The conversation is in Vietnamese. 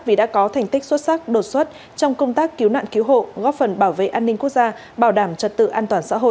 vì đã có thành tích xuất sắc đột xuất trong công tác cứu nạn cứu hộ góp phần bảo vệ an ninh quốc gia bảo đảm trật tự an toàn xã hội